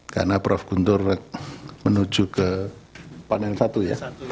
karena prof guntur menuju ke panel satu ya